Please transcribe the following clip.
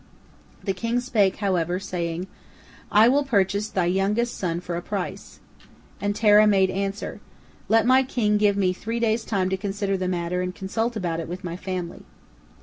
The king spake, however, saying, "I will purchase thy youngest son for a price." And Terah made answer, "Let my king give me three days' time to consider the matter and consult about it with my family."